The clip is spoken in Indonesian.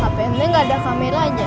hp neng gak ada kamera aja